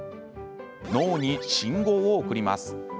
脳に信号を送ります。